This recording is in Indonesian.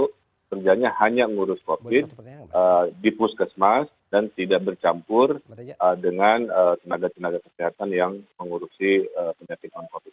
kerjanya hanya ngurus covid di puskesmas dan tidak bercampur dengan tenaga tenaga kesehatan yang mengurusi penyakit non covid